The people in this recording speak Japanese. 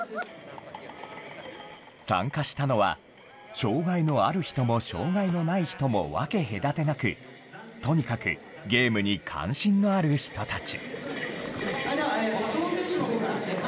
参加したのは、障害のある人も、障害のない人も分け隔てなく、とにかくゲームに関心のある人たち。